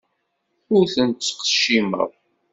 Ur ten-ttqeccimeɣ.